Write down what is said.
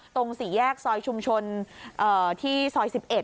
สี่แยกซอยชุมชนที่ซอย๑๑